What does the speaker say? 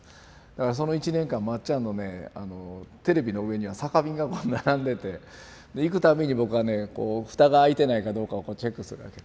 だからその一年間まっちゃんのねテレビの上には酒瓶が並んでて行く度に僕がね蓋が開いてないかどうかをチェックするわけ。